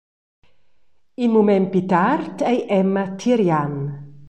In mument pli tard ei Emma tier Jan.